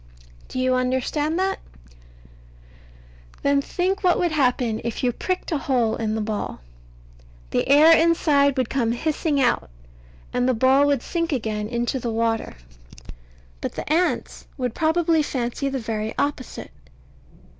Do you understand that? Then think what would happen if you pricked a hole in the ball. The air inside would come hissing out, and the ball would sink again into the water. But the ants would probably fancy the very opposite.